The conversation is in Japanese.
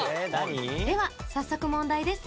では早速問題です。